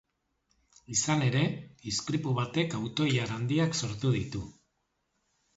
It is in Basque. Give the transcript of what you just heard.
Izan ere, istripu batek auto-ilara handiak sortu ditu.